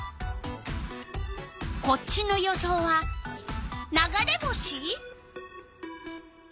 こっちの予想は「流れ星」？